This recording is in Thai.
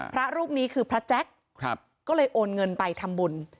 พระรูปนี้คือพระแจ๊คก็เลยโอนเงินไปทำบุญ